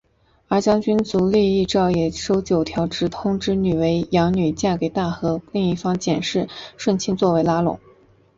而将军足利义昭也收九条植通之女为养女嫁给大和国另一方势力筒井顺庆作为拉拢。